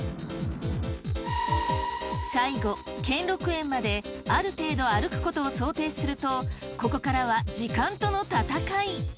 最後兼六園まである程度歩くことを想定するとここからは時間との戦い。